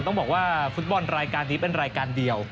ต้องบอกว่าฟุตบอลรายการนี้เป็นรายการเดียว